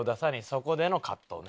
そこでの葛藤ね。